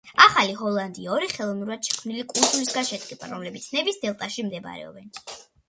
ახალი ჰოლანდია ორი ხელოვნურად შექმნილი კუნძულისგან შედგება, რომლებიც ნევის დელტაში მდებარეობენ.